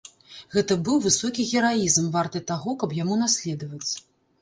Гэта быў высокі гераізм, варты таго, каб яму наследаваць.